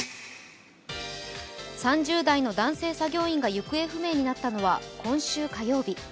３０代の男性作業員が行方不明になったのは今週火曜日。